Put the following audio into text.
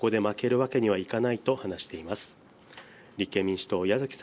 野党としてここで負けるわけにはいかないと話しています。